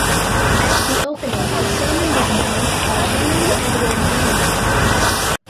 At the opening the sermon was done by Henry Edward Manning.